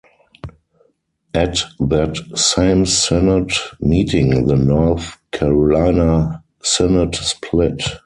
At that same synod meeting the North Carolina Synod split.